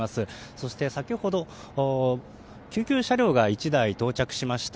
そして先ほど救急車両が１台到着しました。